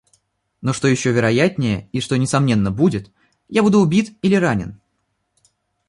Но, что еще вероятнее и что несомненно будет, — я буду убит или ранен.